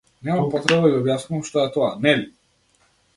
Нема потреба да ви објаснувам што е тоа, нели?